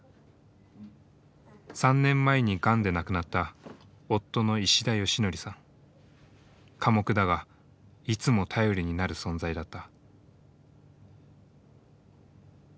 ３年前にがんで亡くなった夫の寡黙だがいつも頼りになる存在だった。